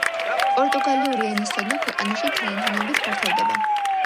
პორტუგალიური ენის ცოდნა ქვეყანაში თანდათანობით ფართოვდება.